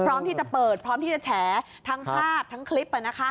พร้อมที่จะเปิดพร้อมที่จะแฉทั้งภาพทั้งคลิป